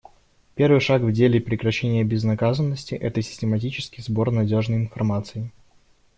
Первый шаг в деле прекращения безнаказанности — это систематический сбор надежной информации.